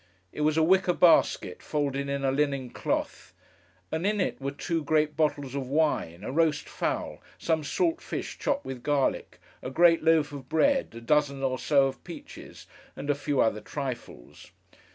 It was a wicker basket, folded in a linen cloth; and in it were two great bottles of wine, a roast fowl, some salt fish chopped with garlic, a great loaf of bread, a dozen or so of peaches, and a few other trifles.